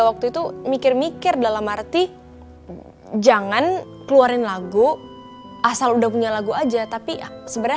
waktu itu mikir mikir dalam arti jangan keluarin lagu asal udah punya lagu aja tapi sebenarnya